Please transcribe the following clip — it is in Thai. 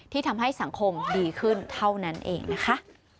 ทำให้สังคมดีขึ้นเท่านั้นเองนะคะ